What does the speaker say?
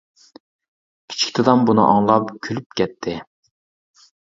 كىچىك دادام بۇنى ئاڭلاپ كۈلۈپ كەتتى.